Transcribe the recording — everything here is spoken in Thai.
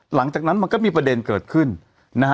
หลังจากนั้นมันก็มีประเด็นเกิดขึ้นนะฮะ